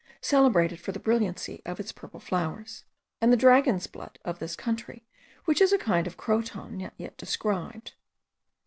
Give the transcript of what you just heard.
celebrated for the brilliancy of its purple flowers, and the dragon's blood of this country, which is a kind of croton not yet described.